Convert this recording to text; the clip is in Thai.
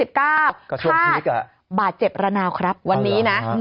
๕บาทเจ็บละนาวครับวันนี้นะ